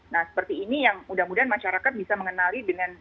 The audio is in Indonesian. nah seperti ini yang mudah mudahan masyarakat bisa mengenali dengan